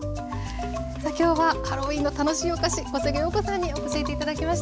さあ今日はハロウィーンの楽しいお菓子小菅陽子さんに教えて頂きました。